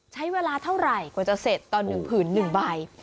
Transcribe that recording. ใช้เวลาเท่าไหร่กว่าจะเสร็จตอน๑ผืน๑ใบ